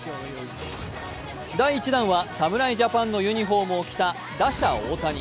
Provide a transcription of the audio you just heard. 第１弾は侍ジャパンのユニフォームを着た打者・大谷。